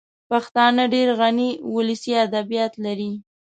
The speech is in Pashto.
پښتانه ډېر غني ولسي ادبیات لري